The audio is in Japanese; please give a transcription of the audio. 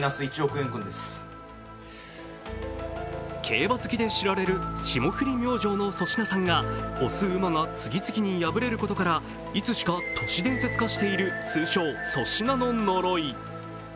競馬好きで知られる霜降り明星の粗品さんが推す馬が次々に敗れることからいつしか都市伝説化している通称・粗品の呪い。